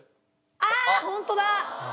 あーホントだ！